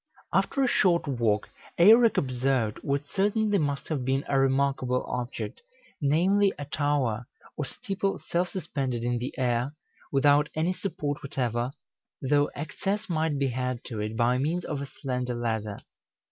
After a short walk, Eirek observed what certainly must have been a remarkable object, namely, a tower or steeple self suspended in the air, without any support whatever, though access might be had to it by means of a slender ladder.